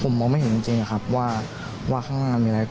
มองไม่เห็นว่าข้างล่างมีอะไร